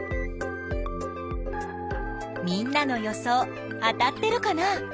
みんなの予想当たってるかな？